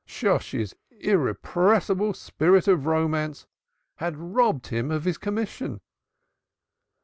Shosshi's irrepressible spirit of romance had robbed him of his commission.